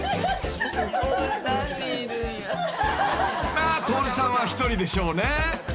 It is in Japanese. ［まあトオルさんは１人でしょうね］